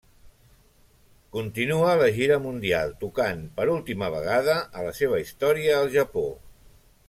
Continua la gira mundial tocant per última vegada a la seva història al Japó.